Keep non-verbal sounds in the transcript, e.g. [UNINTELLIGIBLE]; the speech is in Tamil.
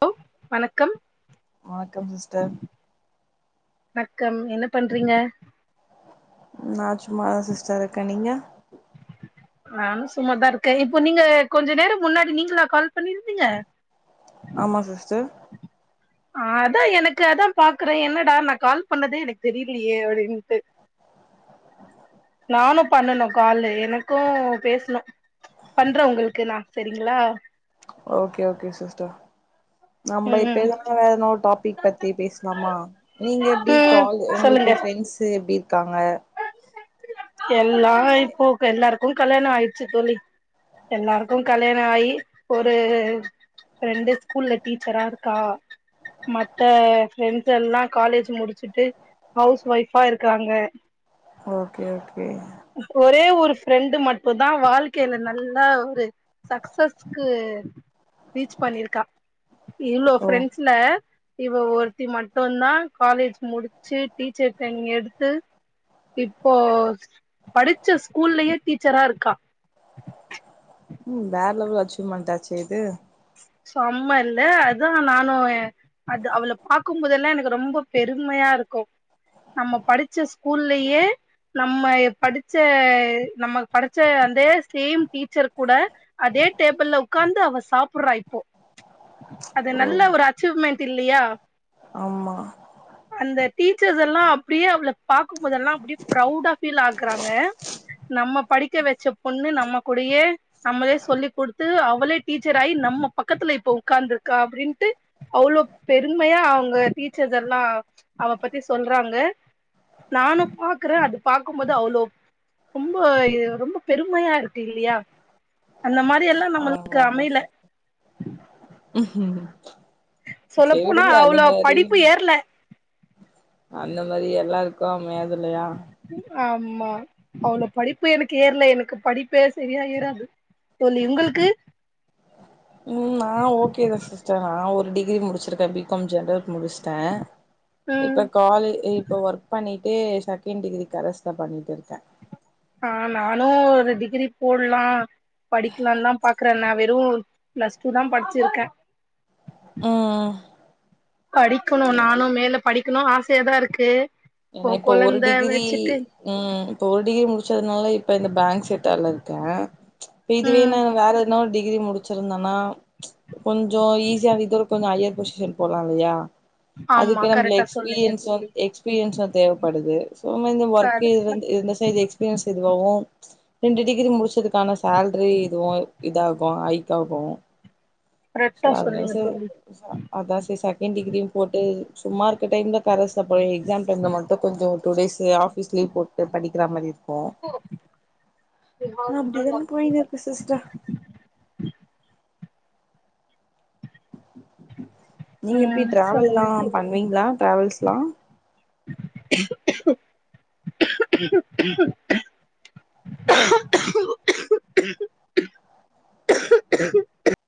லோ வணக்கம் வணக்கம் சிஸ்டர் வணக்கம் என்ன பண்றீங்க நா சும்மாதா சிஸ்டர் இருக்கே நீங்க நானு சும்மாதா இருக்கே இப்போ நீங்க கொஞ்ச நேரோ முன்னாடி நீங்களா கால் பண்ணியிருந்தீங்க ஆமா சிஸ்டர் ஆ அதா எனக்கு அதா பாக்குறே என்னடா நா கால் பண்ணதே எனக்கு தெரிலையே அப்டின்ட்டு [INAUDIBLE] நானு பண்ணனு காலு எனக்கு பேசணு பண்றே உங்களுக்கு நா சரிங்ளா ஓகே ஓகே சிஸ்டர் நம்ம ம் இப்ப ம் எதனா வேற இன்னொரு டாபிக் பத்தி பேஸ்லாமா நீங்க எப்டி ம் கால் உங்ளுக்கு சொல்லுங்க ஃப்ரெண்ட்ஸ் எப்டி இருக்காங்க எல்லா இப்போ எல்லாருக்கு கல்யாணோ ஆயிடுச்சு தோழி எல்லாருக்கு கல்யாணம் ஆயி ஒரு ஃப்ரெண்டு ஸ்கூல்ல டீச்சரா இருக்கா மத்த ஃப்ரெண்ட்ஸ் எல்லா காலேஜ் முடிச்சுட்டு ஹவுஸ் ஒய்ஃபா இருக்காங்க ஓகே ஓகே ஒரே ஒரு ஃப்ரெண்டு மட்டு தா வாழ்க்கைல நல்லா ஒரு சக்சஸ்க்கு ரீச் பண்ணிருக்கா இவ்ளோ ஓ ஃப்ரெண்ட்ஸ்ல இவ ஒருத்தி மட்டுந்தா காலேஜ் முடிச்சு டீச்சர் ட்ரைனிங் எடுத்து இப்போ படிச்ச ஸ்கூல்லயே டீச்சரா இருக்கா ம் வேற லெவல் அச்சீவ்மெண்டாச்சே இது செம்ம இல்ல அதா நானு எ அது அவள பாக்கும் போதெல்லா எனக்கு ரொம்ப பெருமையா இருக்கு நம்ம படிச்ச ஸ்கூல்லயே நம்ம படிச்ச நம்ம படைச்ச அதே சேம் டீச்சர் கூட அதே டேபிள்ள உக்கார்ந்து அவ சாப் புட்ரா இப்போ அது ஓ நல்ல ஒரு அச்சீவ்மென்ட் இல்லையா ஆ அந்த டீச்சர்ஸ் எல்லா அப்டியே அவள பாக்கும் போதெல்லா அப்டியே பிரவுட் ஆ ஃபீல் ஆக்குறாங்க நம்ம படிக்க வச்ச பொண்ணு நம்ம கூடையே நம்மளே சொல்லிக் குடுத்து அவளே டீச்சர் ஆகி நம்ம பக்கத்துல இப்ப உட்காந்துருக்கா அப்டின்ட்டு அவ்ளோ பெருமையா அவங்க டீச்சர்ஸ் எல்லா அவ பத்தி சொல்றாங்க நானும் பாக்குற அது பாக்கும்போது அவ்ளோ ரொம்போ இது ரொம்ப பெருமையா இருக்கு இல்லியா அந்த மாரி எல்லா ஆமா நம்மளுக்கு அமையல உம் உம்.. சொல்ல போனா அவ்ளோ படிப்பு ஏறல அந்த மாரி எல்லாருக்கு அமையாதில்லையா ஆமா அவளோ படிப்பு எனக்கு ஏறல எனக்கு படிப்பே சரியா ஏறாது தோழி உங்களுக்கு ம் நா ஓகே தா சிஸ்டர் நா ஒரு டிகிரி முடிச்சிருக்க பிகாம் ஜென்ரல் முடிச்சுட்ட ம் இப்ப காலே இப்ப ஒர்க் பண்ணிட்டு செகண்ட் டிகிரி கரஸ்ல பண்ணிட்டு இருக்கே ஆ நானு ஒரு டிகிரி போடலா படிக்கலான்தா பாக்குறே நா வெறு பிளஸ் டூ தா படிச்சிருக்க ம் படிக்கணு ம் நானு மேல படிக்கணு ஆசையாதா இருக்கு இப்போ ஏன்னா இப்ப ஒரு கொழந்த டிகிரி வச்சுட்டு ம் இப்ப ஒரு டிகிரி முடிச்சதுனால இப்ப இந்த பேங்க் செக்ட்டார்ல இருக்க இப்ப இதுவே ம் நா வேற எதன டிகிரி முடிச்சிருந்தானா கொஞ்சோ ஈஸியான இதோட கொஞ்ச ஹையர் பொசிஷன் போலா இல்லையா ஆமா அதுக்கு நம்மள கரெக்டா சொன்னீங்க எக்ஸ்பீரியன்ஸ் தோழி எக்ஸ்பீரியன்ஸ் தா தேவப்படுது சோ மா இந்த ஒர்க்கு வந்து இந்த [UNINTELLIGIBLE] ரியன்ஸ் [UNINTELLIGIBLE] ரெண்டு டிகிரி முடிச்சதுக்கான சேலரி இதுவு இதாகு ஹைக்காகு சோ கரெக்டா அதா சொன்னீங்க சே தோழி அதா சே செகண்ட் டிகிரியு போட்டு சும்மா இருக்க டைம்ல கரஸ்ல போய் எக்ஸாம் டைம்ல மட்டு கொஞ்சோ டூ டேஸ் ஆஃபீஸ் லீவ் போட்டு படிக்கிற மாரி இருக்கு அப்டிதா போய்னுருக்கு சிஸ்டர் நீங்க எப்டி ம் சொல்லுங்க ட்ராவல்ல பண்ணுவீங்களா டிராவல்ஸ்லா ம்க்கும் ம்க்கும். குக்கும் குக்கும் ம்க்கும்.